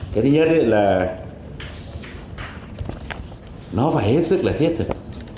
cái thứ nhất là nó phải hết sức là thiết thực